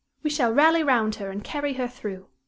"We shall rally round her and carry her through.